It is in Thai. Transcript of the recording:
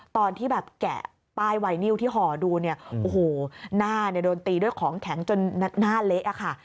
ตอนที่แบบแกะป้ายไวนิวที่หอดูหน้าโดนตีด้วยของแข็งจนหน้าเละค่ะ